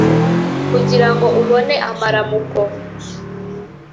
kugira ngo ubone amaramuko.